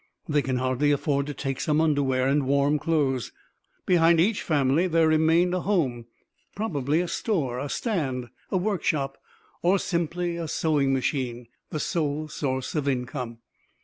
They can hardly afford to take some underwear and warm clothes.... Behind each family there remained a home, probably a store, a stand, a workshop or simply a sewing machine, the sole source of income....